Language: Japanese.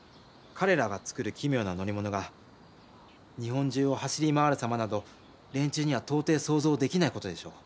彼らが造る奇妙な乗り物が日本中を走り回る様など連中には到底想像できない事でしょう。